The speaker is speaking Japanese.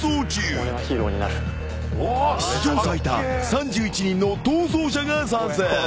［史上最多３１人の逃走者が参戦］